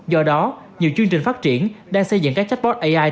do đó nhiều chương trình phát triển đang xây dựng các chatbot ai